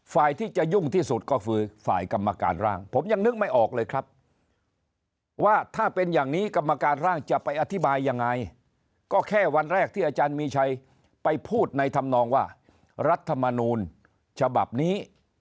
ฝ่ายที่จะยุ่งที่สุดก็คือฝ่ายกรรมการร่างผมยังนึกไม่ออกเลยครับว่าถ้าเป็นอย่างนี้กรรมการร่างจะไปอธิบายยังไงก็แค่วันแรกที่อาจารย์มีชัยไปพูดในธรรมนองว่ารัฐมนูลฉบับนี้